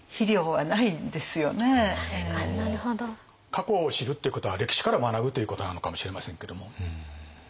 過去を知るっていうことは歴史から学ぶということなのかもしれませんけども。